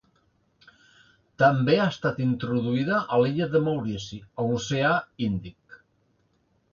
També ha estat introduïda a l'illa de Maurici, a l'oceà Índic.